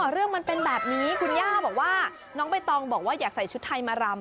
เรื่องมันเป็นแบบนี้คุณย่าบอกว่าน้องใบตองบอกว่าอยากใส่ชุดไทยมารำ